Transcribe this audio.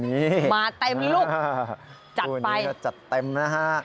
จัดไปคู่นี้ก็จัดเต็มนะฮะ